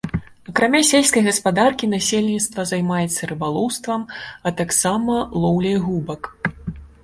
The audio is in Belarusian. Акрамя сельскай гаспадаркі насельніцтва займаецца рыбалоўствам, а таксама лоўляй губак.